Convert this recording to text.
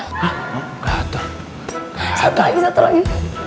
satu lagi satu lagi